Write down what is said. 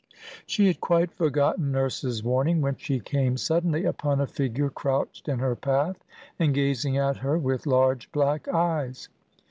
She had quite forgotten Nurse's warning, when she came suddenly upon a figure crouched in her path, and gazing at her with large, black eyes.